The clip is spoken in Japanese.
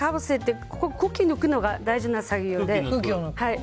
空気抜くのが大事な作業で。